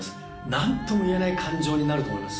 何ともいえない感情になると思います